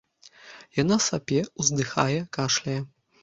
Яна сапе, уздыхае, кашляе.